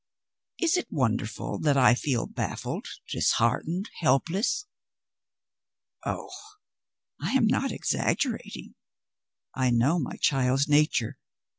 Is it wonderful that I feel baffled, disheartened, helpless? Oh, I am not exaggerating! I know my child's nature.